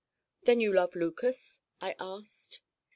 "Then you love Lucas?" I asked.